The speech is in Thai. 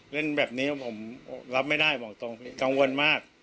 เล่นแบบนี้ผมรับไม่ได้บอกตรงพี่กังวลมาก